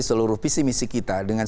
seluruh visi misi kita dengan